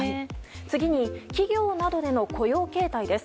次に企業などでの雇用形態です。